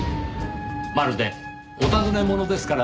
まるでお尋ね者ですからねぇ。